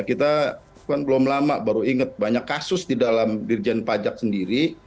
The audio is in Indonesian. kita kan belum lama baru ingat banyak kasus di dalam dirjen pajak sendiri